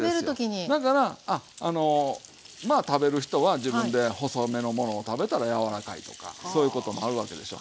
だからまあ食べる人は自分で細めのものを食べたら柔らかいとかそういうことになるわけでしょ。